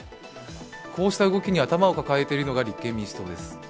こうした動きに頭を抱えているのが立憲民主党です。